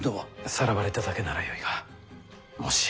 さらわれただけならよいがもしや。